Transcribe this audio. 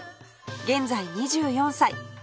現在２４歳